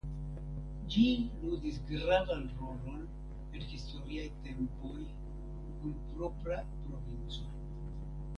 Ĝi ludis gravan rolon en historiaj tempopj kun propra provinco.